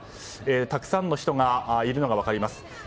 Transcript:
たくさんの人がいるのが分かります。